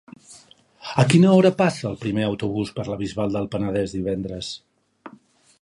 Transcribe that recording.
A quina hora passa el primer autobús per la Bisbal del Penedès divendres?